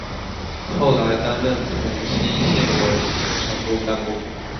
后来担任屯溪市委宣传部干部。